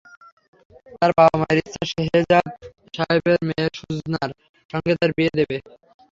তার বাবা-মায়ের ইচ্ছা, শেহ্জাদ সাহেবের মেয়ে সুজানার সঙ্গে তার বিয়ে দেবে।